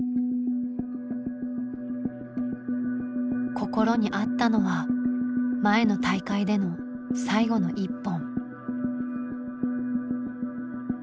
心にあったのは前の大会での最後の１本。